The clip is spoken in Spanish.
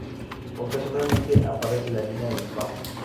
Ocasionalmente aparece la línea del bajo.